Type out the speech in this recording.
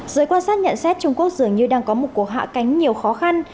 giới quan sát nhận xét trung quốc dường như đang có một cuộc hạ cánh nhiều khó khăn